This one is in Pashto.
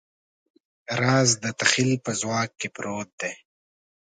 راز د تخیل په ځواک کې پروت دی.